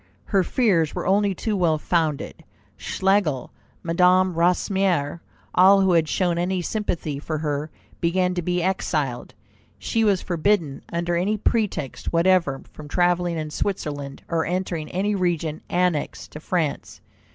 Her fears were only too well founded. Schlegel, Madame Recamier, all who had shown any sympathy for her, began to be exiled. She was forbidden under any pretext whatever from travelling in Switzerland, or entering any region annexed to France.